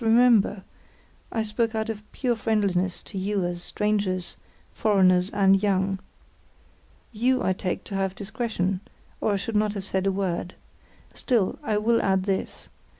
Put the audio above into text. Remember, I speak out of pure friendliness to you as strangers, foreigners, and young. You I take to have discretion, or I should not have said a word. Still, I will add this.